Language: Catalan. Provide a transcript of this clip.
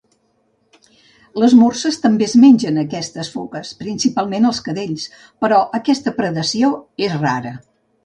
Les morses també es mengen aquestes foques, principalment els cadells, però aquesta predació és rara.